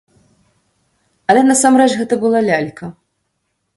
Але насамрэч гэта была лялька.